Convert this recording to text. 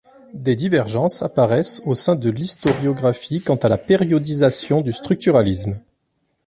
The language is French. Des divergences apparaissent au sein de l’historiographie quant à la périodisation du structuralisme.